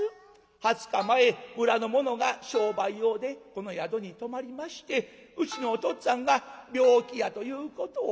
２０日前村の者が商売用でこの宿に泊まりましてうちのおとっつぁんが病気やということを知らしてくれました。